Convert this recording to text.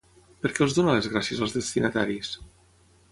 Per què els dona les gràcies als destinataris?